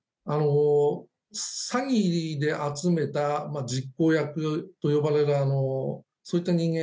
詐欺で集めた実行役と呼ばれるそういった人間